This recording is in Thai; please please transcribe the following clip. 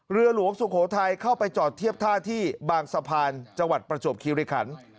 เรือหลวงสุโขทัยเข้าไปจอดเทียบท่าที่บางสะพานจังหวัดประจวบคิริขัน